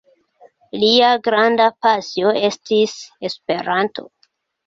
Lia granda pasio estis Esperanto.